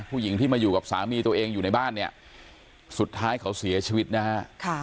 ผู้หญิงที่มาอยู่กับสามีตัวเองอยู่ในบ้านเนี่ยสุดท้ายเขาเสียชีวิตนะฮะ